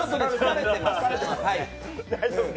大丈夫です。